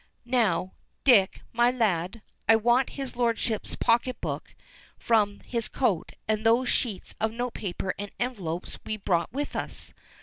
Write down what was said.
Now, Dick, my lad, I want his lordship's pocket book from his coat and those sheets of note paper and envelopes we brought with us.